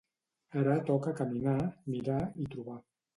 Ara toca caminar, mirar, i trobar.